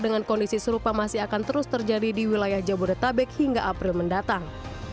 dengan kondisi serupa masih akan terus terjadi di wilayah jabodetabek hingga april mendatang